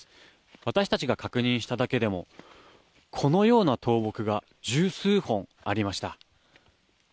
私たちが確認しただけでもこのような倒木が十数本ありました。